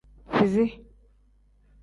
Fizi.